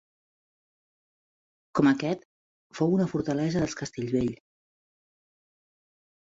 Com aquest, fou una fortalesa dels Castellvell.